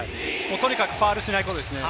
とにかくファウルをしないことです。